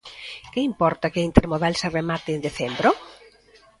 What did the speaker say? ¿Que importa que a intermodal se remate en decembro?